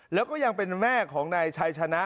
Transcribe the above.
แล้วก็ยังเป็นแม่ของนายชัยชนะ